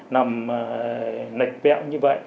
nằm lệch vẹo như vậy